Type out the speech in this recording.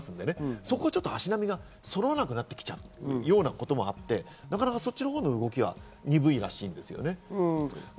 そこは足並みがそろわなくなってきちゃうようなこともあって、なかなかそっちのほうの動きは鈍いらしいんですけどね。